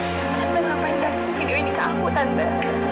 tante ngapain kasih video ini ke aku tante